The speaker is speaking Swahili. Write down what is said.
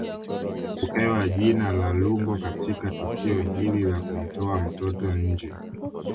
Hupewa jina la Lungo Katika tukio hili la kumtoa mtoto nje